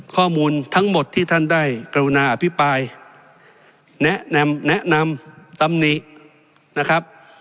ข้อมูลทั้งหมดที่ท่านได้กรุณาอภิปรายแนะนำแนะนำตำหนินะครับ